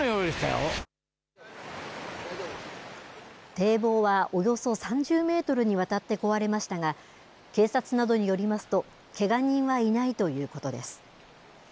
堤防はおよそ３０メートルにわたって壊れましたが、警察などによりますと、けが人はいないということです。